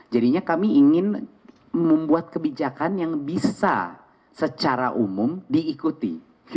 jadinya kami ingin membuat kebijakan yang bisa secara umum diikuti